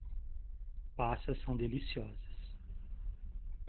Passas são deliciosas.